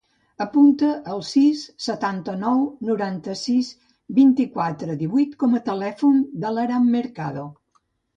Apunta el sis, setanta-nou, noranta-sis, vint-i-quatre, divuit com a telèfon de l'Aram Mercado.